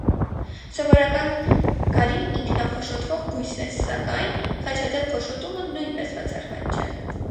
Սովորական գարին ինքնափոշոտվող բույս է, սասկայն խաչաձև փոշոտումը նույնպես բացառված չէ։